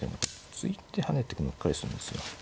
突いて跳ねてくるのうっかりするんですよ。